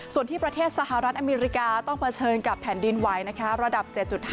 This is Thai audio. ส่วนที่ประเทศสหรัฐอเมริกาต้องเผชิญกับแผ่นดินไหวระดับ๗๕